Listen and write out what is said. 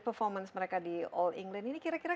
performance mereka di all england ini kira kira